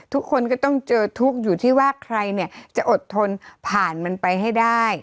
ทุกคนก็ต้องเจอทุกข์อยู่ที่ว่าใครเนี่ยจะอดทนผ่านมันไปให้ได้